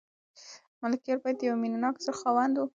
ملکیار بابا د یو مینه ناک زړه خاوند و.